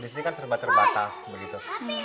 di sini kan serba terbatas begitu